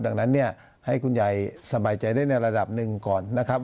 ดังนั้นเนี่ยให้คุณยายสบายใจได้ในระดับหนึ่งก่อนนะครับ